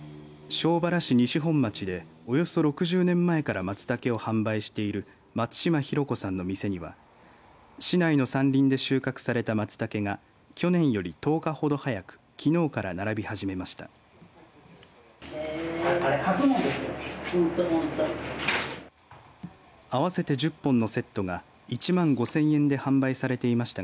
庄原市西本町でおよそ６０年前からまつたけを販売している松島弘子さんの店には市内の山林で収穫されたまつたけが去年より１０日ほど早くきのうから並び始めました。